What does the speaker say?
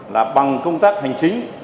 là bằng công tác hành chính